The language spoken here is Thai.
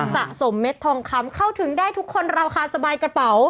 สะสมเม็ดทองคำเข้าถึงได้ทุกคนราคาสบายกระเป๋า